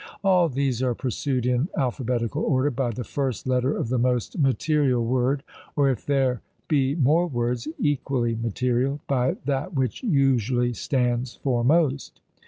All these are pursued in alphabetical order, "by the first letter of the most 'material word,' or if there be more words 'equally material,' by that which usually stands foremost."